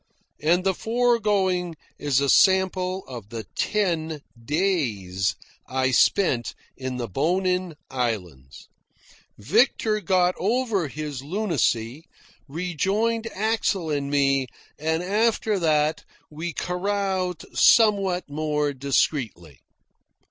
And the foregoing is a sample of the ten days I spent in the Bonin Islands. Victor got over his lunacy, rejoined Axel and me, and after that we caroused somewhat more discreetly.